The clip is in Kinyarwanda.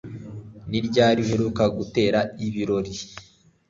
Ni ryari uheruka gutera ibirori